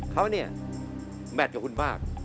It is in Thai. เขามัดกับคุณมาก